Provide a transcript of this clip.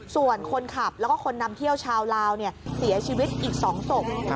ส่วนคนขับแล้วก็คนนำเที่ยวชาวลาวเสียชีวิตอีก๒ศพ